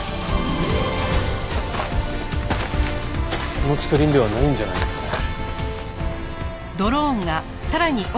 この竹林ではないんじゃないですかね。